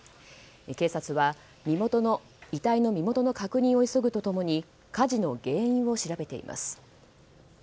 警察は遺体の身元の確認を急ぐと共に火事の原因を調べています。